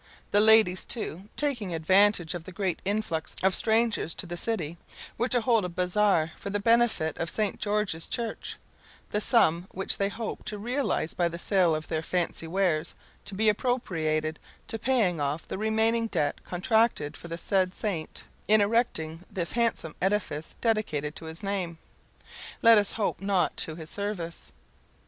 The ladies, too, taking advantage of the great influx of strangers to the city, were to hold a bazaar for the benefit of St. George's Church; the sum which they hoped to realise by the sale of their fancy wares to be appropriated to paying off the remaining debt contracted for the said saint, in erecting this handsome edifice dedicated to his name let us hope not to his service.